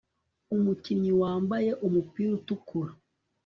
umukinnyi wambaye umupira utukura